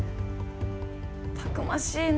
たくましいな。